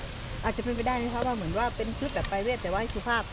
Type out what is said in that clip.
อาจจะเป็นไปได้ไหมครับว่าเหมือนว่าเป็นชุดแบบปรายเวทแต่ว่าให้สุภาพ